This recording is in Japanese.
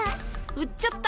売っちゃった。